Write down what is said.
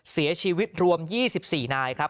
เสียชีวิตรวม๒๔นายครับ